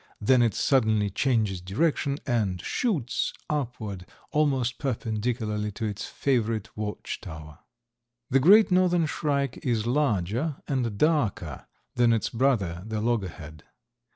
Then it suddenly changes direction and shoots upward almost perpendicularly to its favorite watch tower. The Great Northern Shrike is larger and darker than its brother, the loggerhead.